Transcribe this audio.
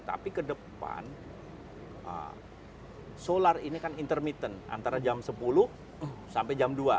tapi ke depan solar ini kan intermittent antara jam sepuluh sampai jam dua